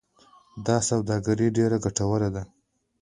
دا سوداګري ډیره ګټوره ده.